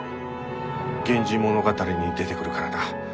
「源氏物語」に出てくるからだ。